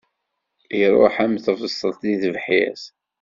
Iṛuḥ am tebṣelt si tebḥirt.